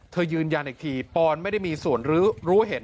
ยืนยันอีกทีปอนไม่ได้มีส่วนรู้เห็น